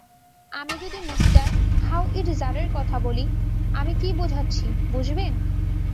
আমি যদি মিস্টার হাউয়িটজারের কথা বলি, আমি কী বোঝাচ্ছি, বুঝবেন?